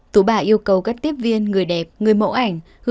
tú bà yêu cầu các tiếp viên người đẹp người mẫu ảnh